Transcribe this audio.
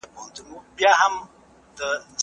خپل ورېښتان په ترتیب سره ږمنځ کړئ.